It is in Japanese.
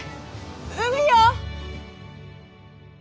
海よ！